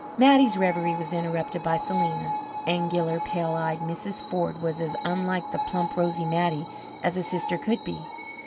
Mattie's reverie was interrupted by Selena. Angular, pale eyed Mrs. Ford was as unlike the plump, rosy Mattie as a sister could be.